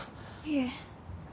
いえ。